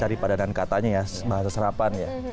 tadi padanan katanya ya bahasa serapan ya